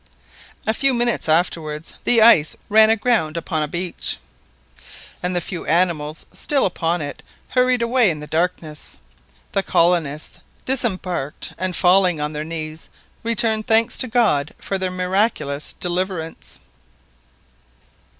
A few minutes afterwards the ice ran aground upon a beach, and the few animals still upon it hurried away in the darkness. The colonists "disembarked," and falling on their knees, returned thanks to God for their miraculous deliverance.